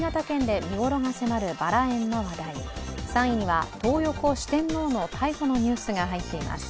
４位は新潟県で見頃が迫るバラ園の話題、３位にはトー横四天王の逮捕のニュースが入っています。